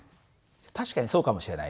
確かにそうかもしれないね。